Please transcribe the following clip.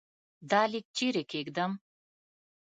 دا لیک چيري کښېږدم ؟